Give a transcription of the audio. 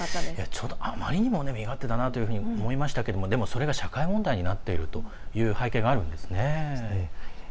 あまりにも身勝手だなというふうに思いましたけどでも、それが社会問題になっているという背景があるんですね。